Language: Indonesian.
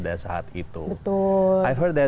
bahwa saya ingin mengingatkan kepada anda